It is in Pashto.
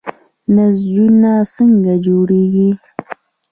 نسجونه څنګه جوړیږي؟